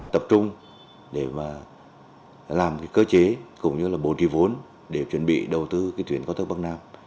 tập trung để làm cơ chế cũng như bổ trí vốn để chuẩn bị đầu tư thuyền có thức bắc nam